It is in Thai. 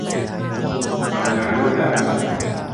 ทำงานร่วมกับ